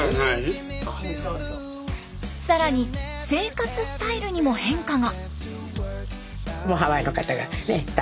更に生活スタイルにも変化が。